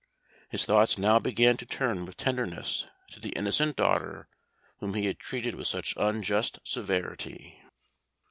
His thoughts now began to turn with tenderness to the innocent daughter whom he had treated with such unjust severity.